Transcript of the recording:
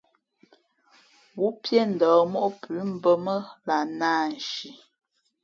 Wúpíéndα̌h móʼ pʉ̌ mbᾱ mά lah nāānshi.